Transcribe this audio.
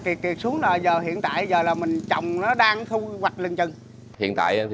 tiền kiệt xuống là giờ hiện tại giờ là mình chồng nó đang thu hoạch lên chân hiện tại thì đang giàu